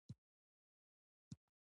د سوداګرو ملاتړ د دولت دنده ده